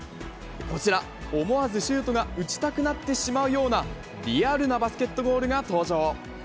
こちら、思わずシュートが打ちたくなってしまうような、リアルなバスケットゴールが登場。